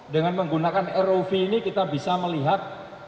dengan menggunakan rov ini kita bisa melihat